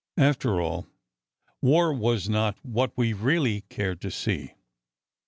After all, war was not what we really cared to see."